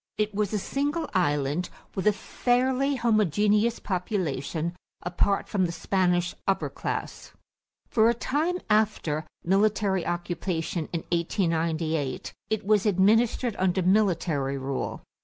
It was a single island with a fairly homogeneous population apart from the Spanish upper class. For a time after military occupation in 1898, it was administered under military rule.